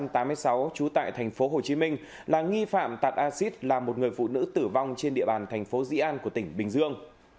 trú tại thành phố hồ chí minh là nghi phạm tạt acid là một người phụ nữ tử vong trên địa bàn thành phố dĩ an của tỉnh bình dương